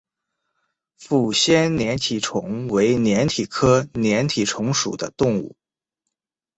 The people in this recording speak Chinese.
抚仙粘体虫为粘体科粘体虫属的动物。